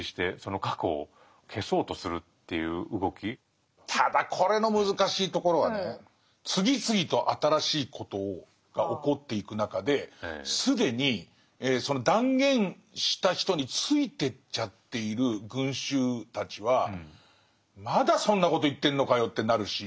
現在でさえなくてただこれの難しいところはね次々と新しいことが起こっていく中で既にその断言した人についてっちゃっている群衆たちは「まだそんなこと言ってんのかよ」ってなるし。